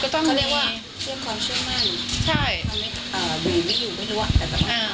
ใช่เขาเรียกว่าเครื่องความเชื่อมั่น